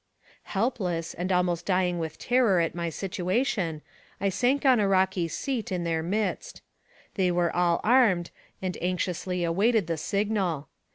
Helpless, and almost dying with terror at my situa tion, I sank on a rocky seat in their midst. They were all armed, and anxiously awaited the signal.